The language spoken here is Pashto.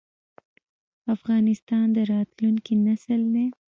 افغانستان د راتلونکي نسل دی؟